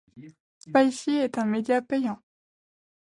Spicee est un média payant.